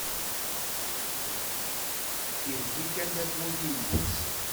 Ileddi kan tawwurt i yelli-s